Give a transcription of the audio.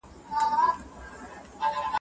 دیني ارزښتونه باید وساتل سي.